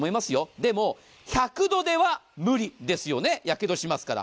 でも、１００度では無理ですよね、やけどしますから。